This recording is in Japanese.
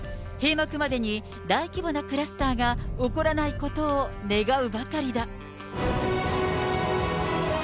閉幕までに大規模なクラスターが起こらないことを願うばかりだ。